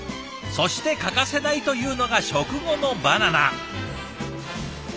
そして欠かせないというのが食後のバナナ。